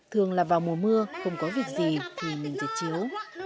thường là vào mùa mưa không có việc gì thì mình dệt chiếu